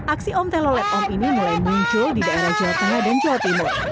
aksi om telolet om ini mulai muncul di daerah jawa tengah dan jawa timur